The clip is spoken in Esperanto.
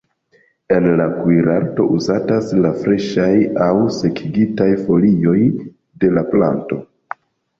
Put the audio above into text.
En la kuirarto uzatas la freŝaj aŭ sekigitaj folioj de la planto.